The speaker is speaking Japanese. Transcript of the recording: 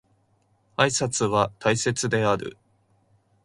挨拶は大切である